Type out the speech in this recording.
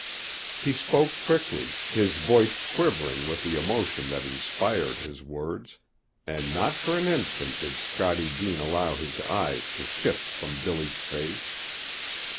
He spoke quickly, his voice quivering with the emotion that inspired his words, and not for an instant did Scottie Deane allow his eyes to shift from Billy's face.